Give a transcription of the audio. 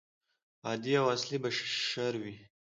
عادي او اصلي بشر وي.